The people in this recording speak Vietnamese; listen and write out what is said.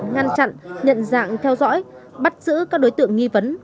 ngăn chặn nhận dạng theo dõi bắt giữ các đối tượng nghi vấn